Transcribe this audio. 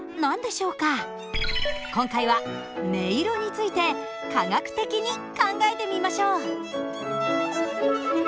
今回は音色について科学的に考えてみましょう。